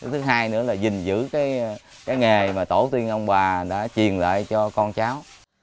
thứ hai nữa là giữ cái nghề mà tổ tuyên ông bà đã truyền lại cho con cháu